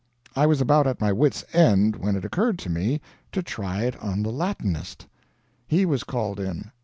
I was about at my wits' end when it occurred to me to try it on the Latinist. He was called in.